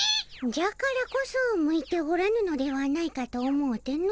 じゃからこそ向いておらぬのではないかと思うての。